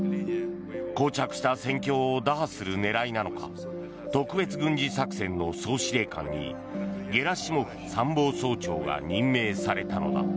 膠着した戦況を打破する狙いなのか特別軍事作戦の総司令官にゲラシモフ参謀総長が任命されたのだ。